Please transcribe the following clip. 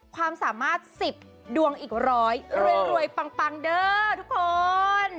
ความสามารถ๑๐ดวงอีกร้อยรวยปังเด้อทุกคน